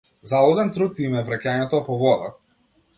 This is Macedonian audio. Залуден труд им е враќањето по вода.